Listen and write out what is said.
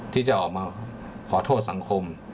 ที่จะออกมาขอโทษสังคม